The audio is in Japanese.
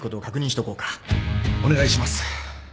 お願いします